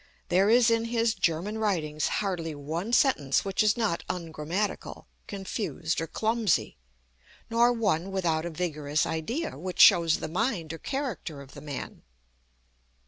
There is in his German writings hardly one sentence which is not ungrammatical, confused, or clumsy; nor one without a vigorous idea, which shows the mind or character of the man.